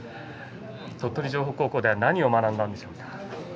鳥取城北高校では何を学んだんですか？